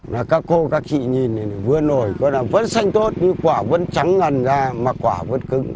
các cô các chị nhìn vườn ổi vẫn xanh tốt nhưng quả vẫn trắng ngần ra mà quả vẫn cứng